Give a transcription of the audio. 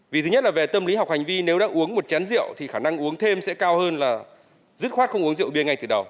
vì thứ nhất là về tâm lý học hành vi nếu đã uống một chén rượu thì khả năng uống thêm sẽ cao hơn là dứt khoát không uống rượu bia ngay từ đầu